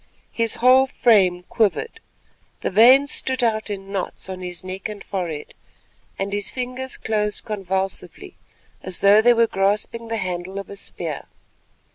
His whole frame quivered, the veins stood out in knots on his neck and forehead, and his fingers closed convulsively as though they were grasping the handle of a spear.